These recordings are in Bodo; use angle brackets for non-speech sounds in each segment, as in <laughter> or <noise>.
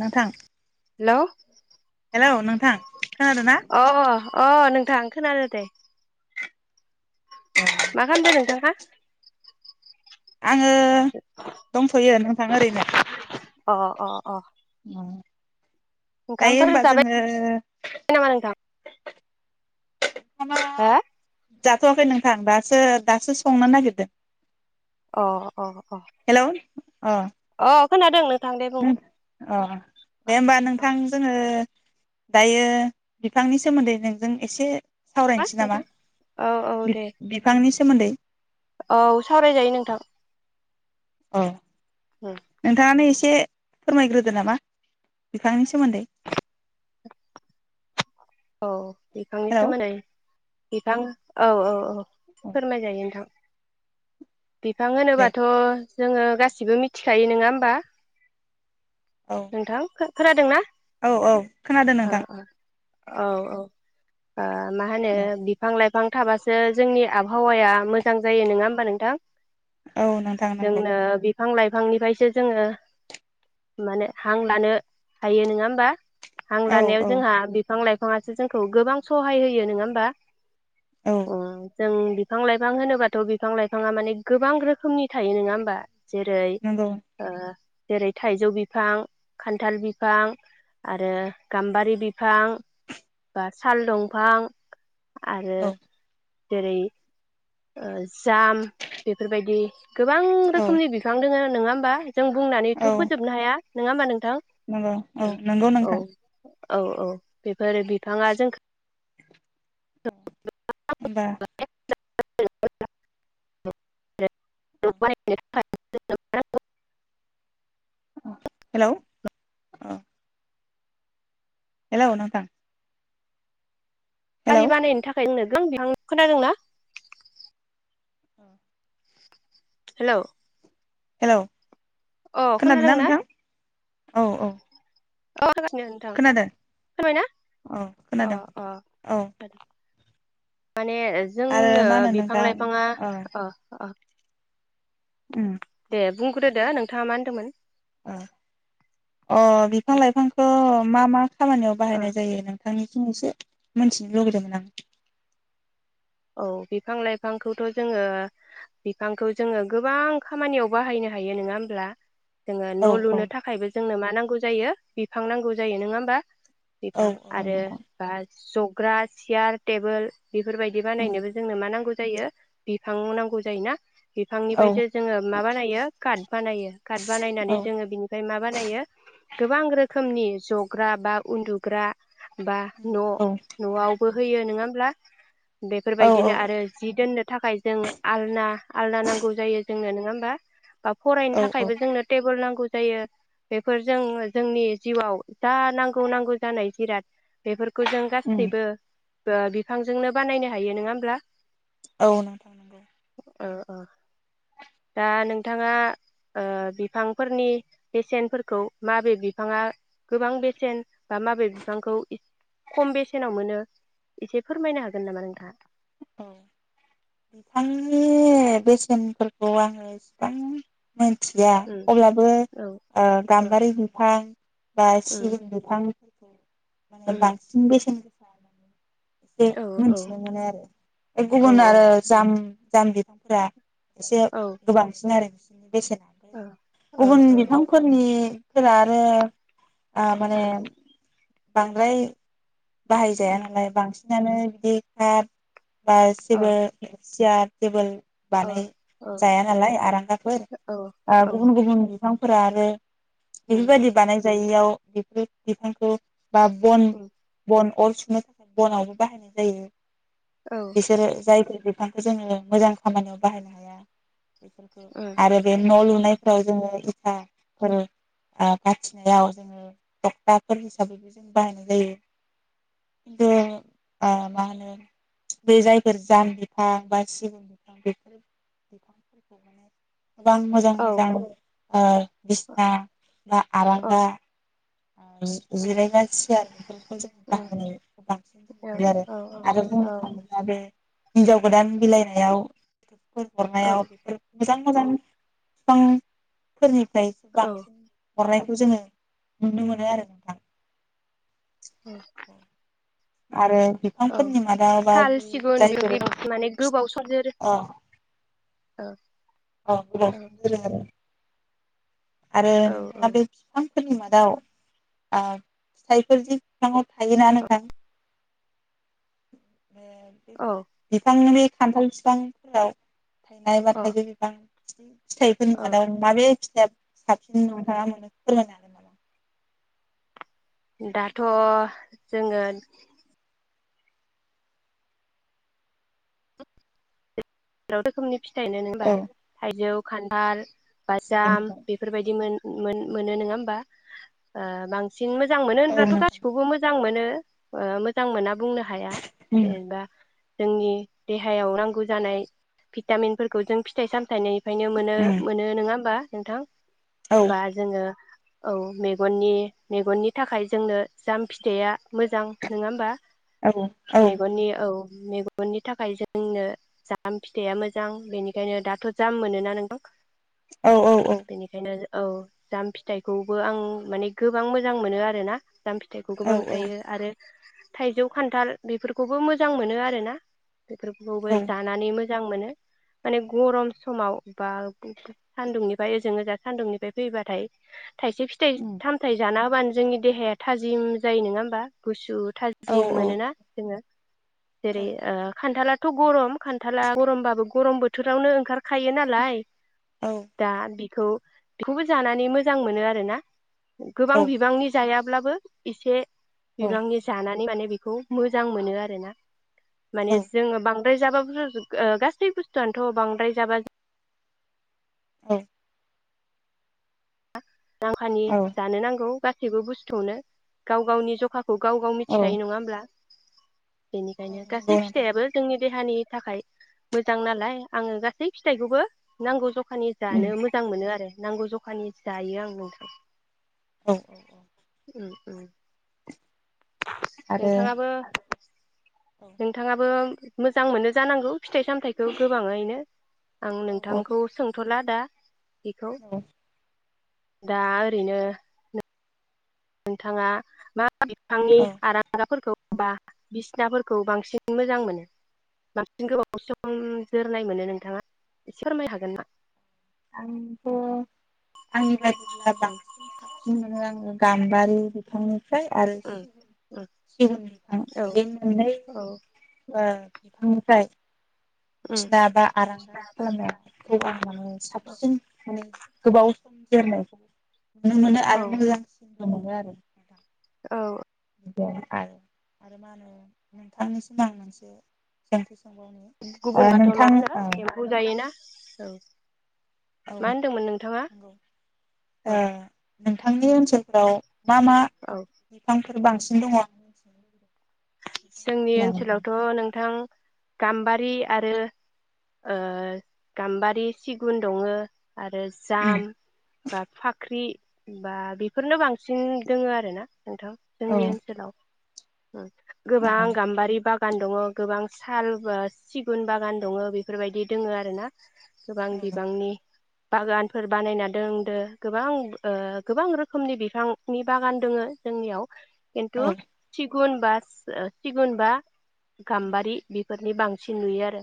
नोंथां हेलौ हेलौ नोंथां खोनादों ना अ अ अ नोंथां खोनादो दे। मा खामदो नोंथाङा आङो दंथ'यो नोंथां ओरैनो अ अ अ दायो ओंखामफोर होनबा जाबाय जोङो नामा नोंथां ओंखामा हो जाथ'वाखै नोंथां दासो दासो संनो नागिरदों। अ अ अ हेलौ अ अ खोनादों नों अ दे होमबा अ नोंथां जोङो दायो बिफांनि सोमोन्दै नोंजों एसे मा सावरायनोसै नामा नोंथां औ औ दे बि-बिफांनि सो सोमोन्दै औ सावरायजायो नोंथां अ उम नोंथाङानो एसे एसे फोरमायग्रोदो नामा बिफांनि सोमोन्दै औ बिफांनि हेलौ सोमोन्दै बिफां औ औ औ फोरमाय जायो नोंथां। बिफां दे होनोबाथ' जोङो गासिबो मिथिखायो नङा होमबा? औ नोंथां खो खोनादोंना? औ औ खोनादों औ नोंथां। औ औ ओ मा होनो बिफां लाइफां फां थाबासो जोंनि आबहावाया मोजां जायो। नोङा होमबा नोंथां? औ नोंथां नोंगौ फां लाइफांनिफायसो जोङो माने हां लानो हायो नोङा होमबा। हां औ लानायाव औ जोंहा फां लाइफाङासो जोंखौ गोबां सहाय होयो। नङा होमबा? औ उम जों बिफां लाइफां होनोबाथ' बिफां लाइफाङा माने गोबां रोखोमनि थायो नङा होमबा जेरै नंगौ ओ जेरै थाइजौ बिफां खान्थाल बिफां आरो गाम्बारि बिफां बा साल दंफां आरो औ जेरै जाम बेफोरबायदि गोबां औ रोखोमनि बिफां दोङो। नोङा होमबा जों औ बुंनानैथ' फोजोबनो हाया नङा होमबा नों नंगौ औ नंगौ नोंथां औ औ बे फोर बिफाङा जोंखो होमबा <unintelligible> औ <inaudible> <inaudible> अ हेलौ अ हेलौ नोंथां गारि हेलौ बानायनो थाखाय <inaudible> खोनादों ना? औ हेलौ हेलौ अ खोनादोंना? औ औ होगासिनो नोंथां खोनादों फोरमायना औ अ खोनादों अ औ माने आरो जोंनो मा होनो बिफां नोंथां लाइफाङा औ अ अ उम दे बुंग्रोदो नोंथाङा मा होनदोंमोन ओ अ बिफां लाइफांखौ मा मा खामानियाव अ बाहायनाय जायो नों <unintelligible> एसे मिथिनो लुगैदोंमोन आं औ बिफां लाइफांखौथ' जोङो बिफांखौ जोङो गोबां खामानियाव बाहायनो हायो नोङा होमब्ला जोङो औ न' औ लुनो थाखायबो जोंनो मा नांगौ गौ जायो बिफां नांगौ जायो नङा होमबा औ बिफां औ आरो नोंथां बा जौ ग्रा सियार टेबोल बेफोरबायायदि बि बानायनोबो जोंनो मां नांगौ जायो बिफां नांगौ जायोना औ बिफांनिफ्रायसो जोङो मा बानायो काट बानायो काट बानायनानै औ जोङो बिनिफ्राय मा बानायो गोबां रोखोमनि जग्रा बा उन्दुग्रा बा न' औ न'आवबो होयो नोङा ब्ला औ बेफोरबायदिनो आरो जि दोननो थाखाय जों आलना आलना नांगौ जायो जोंनो नोङा होमबा बा फरायनो औ थाखायबो जोंनो टेबोल नांगौ जायो बेफोरजों जोंनि जिउआव जा नांगौ नांगौ जानाय जिराद बेफोरखौ खौ जों औ गासैबो ओ बिफांजोंनो बानायनो हायो नोङा होमब्ला औ नोंथां नोंगौ ओ ओ दा नोंथाङा ओ बिफांफोरनि बेसेनफोरखौ माबे बिफाङा गोबां बेसेन बा माबे बिफांखौ खम बेसेनाव मोनो एसे फोरमायनो हागोन न नामा नोंथाङा औ बिफांनि बेसेनफोरखौ आङो इसिबां मोनथिया उम अब्लाबो औ ओ ओ गाम्बारि बिफां बा उम सिगुन बिफां बेखौ <unintelligible> माने उम बं बेस <unintelligible> एसे औ औ मिथिनो मोनो आरो बे औ गुबुन आरो जाम जाम बिफांफ्रा एसे औ गोबांसिन आरो बेसेन औ औ ओ गुबुन बिफांफोरनि फोरा आरो आ माने बांद्राय बाहायजाया नालाय बांसिन बिदि खार बा ओ जेबो चेयार टेबोल बानाय ओ जाया नालाय आरांगाफोर ओ औ गुबुन गुबुन बिफांफोरा आरो उम बेफोरबायदि बानाय जायैयाव बेफोर बिफांखौ बा बन उम बन अर सुनो थाखाय बनावबो बाहायनाय जायो औ बिसोरो जायफोरखो <unintelligible> जोङो मोजां खामानियाव बाहायनो हाया बेफोरखौ उम आरो बे न' लुनायफ्राव जोङो फा फोर बाथिनायाव जोङो थखथाफोर हिसाबैबो जों बाहायनाय जायो खिन्थु मा होनो बे जायफोर जाम बिफां बा सिगुन बिफां बेफोर बिफांफोरखौ माने गोबां मोजां औ मोजां उम बिसिना बा औ आरांगा जिरायग्रा सियार बेफोरखौ जों बाहायनायखौ बांसिन नुनो मोनो आरो आरो आरो बुंनो थाङोब्ला बे हिनजाव गोदान बिलाइनायाव <unintelligible> बेफोर औ मोजां मोजां फिफांफोरनि <unintelligible> औ औ बांसिन हरनायखौ जोङो नुनो मोनो आरो नोंथां औ आरो औ बिफांफोरनि मादाव बा साल बे सिगुन जायफोर बेबायदि अ दंफां फोरा माने गोबाव सम जोरो औ गोबाव सम जोरो आरो आरो नोंथाङा बे बिफां फोरनि मादाव ओ फिथाइफोर जि बिफाङाव थायोना नोंथां औ बिफांनि खान्थाल बिफांफोराव थाइनाय बा औ थाइजौ बिफां <unintelligible> फिथाइफोरनि औ मादाव माबे ए साबसिन नोंथाङा मोनो फोरमायनो हागोन नामा दाथ' जोङो <unintelligible> रोखोमनि फिथाइनोबा नामा? औ थाइजौ खान्थाल औ बा जाम नोंथां बेफोरबायदिमोन मो-मोनो नङा होमबा ओ बांसिन बांसिन मोजां मोनो होनब्लाथ' उम गासिखौबो मोजां मोनो मोजां मोनाबो बुंनो हाया जेनेबा जोंनि देहायाव नांगौ जानाय भिटामिनफोरखौ जों फिथाइ सामथायनि ओंखायनो मोनो उम मोनो नोङा होमबा नोंथां औ बा जोङो औ मेगननि मेगननि थाखाय जोंनो जाम फिथाइया मोजां नोङा होमबा औ औ मेगननि औ मेगननि थाखाय जोंनो जा जाम फिथाइया मोजां बेनिखायनो दाथ' जाम मोनोना नोंथां औ बेनिखायनो जों औ जाम फिथाइखौबो आं माने गोबां मोजां मोनो आरोना जाम फिथाइखौ औ गोबां जायो आरो थाइजौ खान्थाल बेफोरखौबो मोजां मोनो आरोना औ बेफोरखौबो जानांगौ मोजां मोनो माने गरम समाव बा सान्दुंनिफ्राय ओजों ओजा सान्दुंनिफ्राय फैबाथाय थाइसे फिथाइ सामथाइ जाना अब्लानो जोंनि देहाया थाजिम जायो नङा होमबा गुसु थाजिम मोनोना जोङो जेरै ओ खान्थाला थ' गरम खान्थाला गरमबाबो गरम बोथोरावनो ओंखारखायो नालाय दा बि खौ बेखौबो जानानै मोजां मोनो आरो ना गोबां बिबांनि जाया अब्लाबो इसे बिबांनि जानानै माने बेखौ मोजां मोनो आरो ना माने जोङो बां राय जाबा बुजा जोबगो ओ गासै बुस्थुआनोथ' बांद्राय जाबा औ <unintelligible> नांखानि औ जानो नांगौ गा सैबो बुस्थुआवनो गाव गावनि जखा खौ गाव गाव औ मिथिखायो नङा होमब्ला? औ बेनिखायनो गासै नंगौ नोंथां फिथाइयाबो जोंनि देहानि थाखाय मोजां नालाय आङो गासै फिथाइखौबो नांगौ ज खानि जानो उम मोजां मोनो आरो नांगौ जखानि जायो आं नोंथां औ औ औ उम उम आरो नोंथाङाबो औ नोंथाङा बो मोजां मोनो जानांगौ फिथाइ सामथाइखौ गोबाङैनो आं औ नोंथांखौ सोंथ'ला दा बेखौ दा ओरैनो नोंथाङा मा बिफांनि आरांगाफोरखौ बा बिसिनाफोरखौ बांसिन मोजां मोनो बांसिन गोबाव सम जोरनाय मोनो नोंथाङा एसे फोरमायनो हागोन ना आंथ' आंनि बायदिब्ला बांसिन साबसिन मोनो आङो गाम्बारि बिफांनि फ्राय आरो उम सिगुन बिफां बे मोननै उम औ ओ बिफांनिफ्राय उम बिसिना बा आरांगा खालामनायखौ आं माने सा माने गोबाव सम देरनायखौ नुनो मोनो औ आरो मोजांसिनबो मोनो आरो <unintelligible> औ आरो मा होनो नोंथांनिसिम आं मोनसे स <unintelligible> गुबुन बाथ' मा होनो एम्फौ जायो ना औ औ मा होनदोंमोन नोंथाङा नंगौ ओ औ नोंथांनि ओनसोलफोराव मा मा औ बिफां फोर बांसिन दङ जोंनि नोंथाङा फोरमायनो ओनसोलावथ' नोंथां गाम्बारि आरो ओ गाम्बारि सिगुन दङ आरो जाम बा फाख्रि बा बेफोरनो बांसिन दोङो आरो ना नोंथां' हागोन नामा? औ जोंनि ओनसोलाव औ औ गोबां गाम्बारि बा बागान दङ गोबां साल ब सिगुन बागान दङो बेफोरबायदि दोङ आरो ना गोबां बिबांनि बागानफोर बानायना दोनदो गोबां ओ गोबां रोखोमनि बिफांनि बागान दङ जोंनियाव खिन्थु औ सिगुन बा सिगुन बा गाम्बारि बि बेफोरनि बांसिन नुयो आरो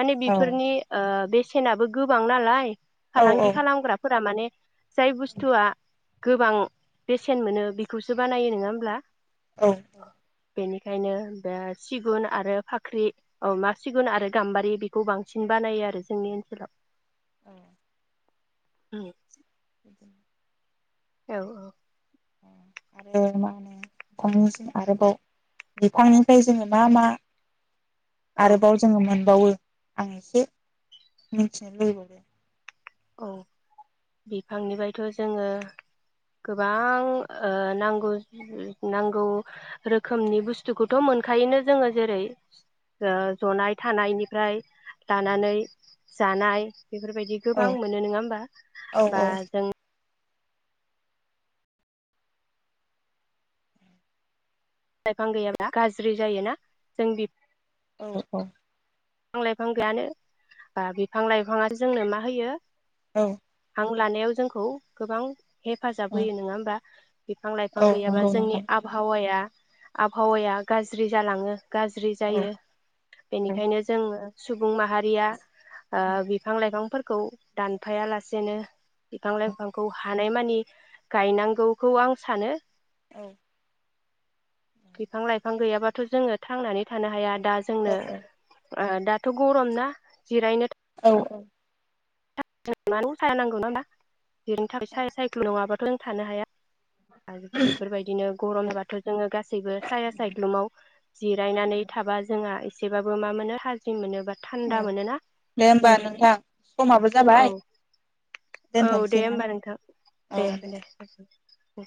माने औ बेफोरनि ओ बेस सेनाबो गोबां नालाय औ औ फालांगि खालामग्राफोरा माने जाय बुस्थुआ गोबां बेसेन मोनो बेखौसो बानायो नोङा होमब्ला औ बेनिखायनो बे सिगुन आरो फाख्रि औ मा सिगुन आरो गाम्बारि बेखौ बांसिन बानायो आरो जोंनि ओनसोलाव ओ औ <inaudible> औ आरो मा होनो बिफांनिसिम आरोबाव बिफांनिफ्राय जोङो मा मा औ आरोबाव जोङो मोन बावो आं एसे मिथिनो लुबैबावो औ बिफांनिफ्रायथ' जोङो गोबां ओ नांगौ नांगौ रोखोमनि बुस्थुखौथ' मोनखायोनो जोङो जेरै जनाय थानायनिफ्राय लानानै जानाय बेफोरबायदि औ गोबां मोनो नङा होमबा औ बा औ जों लाइफां गैयाब्ला गाज्रि जायोना जों बि औ-औ बिफां लाइफां गैयानो बिफां लाइफाङाथ' जोंनो मा होयो औ रं लानायाव जोंखौ गोबां हेफाजाब औ होयो नङा होमबा बिफां लाइफां औ गैयाबा नंगौ जोंनि नोंथां आबहावाया आबहावाया गाज्रि जालाङो गाज्रि औ जायो औ बेनिखायनो आङो सुबुं माहारिया ओ बिफां लाइफांफोर खौ दानफायालासेनो बिफां लाइफांखौ हानाय मानि गायनांगौखौ आं सानो औ बिफां लाइफां गैयाबाथ' जोङो थांनानै थानो हाया दा जोंनो ओ दाथ' गरम ना जिरायनो औ औ थांनानै <inaudible> ना जिरायनो थाखाय साइकेल नङाबा ख्लों थानो हाया आरो बेफोरबायदिनो गरमबाथ' जोङो गासैबो साया सायख्लुमाव जिरायनानै थाबा जोंहा एसे एसेबाबो मा मोनो थाजिम मोनो बा थान्दा मोनोना दे होमबा नोंथां समाबो औ जाबाय औ दे दोनथ'नोसै ना होमबा नोंथां दे दे उ